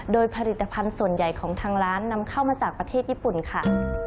โดยผลิตภัณฑ์ส่วนใหญ่ของทางร้านนำเข้ามาจากประเทศญี่ปุ่นค่ะ